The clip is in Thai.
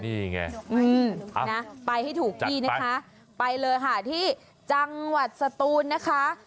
นี่ไงนะไปให้ถูกที่นะคะไปเลยค่ะที่จังหวัดสตูนนะคะ